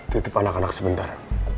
titip anak anak sebentar